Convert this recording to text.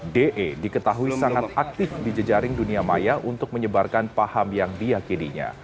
de diketahui sangat aktif di jejaring dunia maya untuk menyebarkan paham yang diakininya